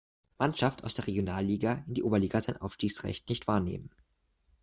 Mannschaft aus der Regionalliga in die Oberliga sein Aufstiegsrecht nicht wahrnehmen.